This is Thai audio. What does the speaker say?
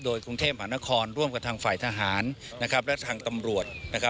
กรุงเทพหานครร่วมกับทางฝ่ายทหารและทางตำรวจ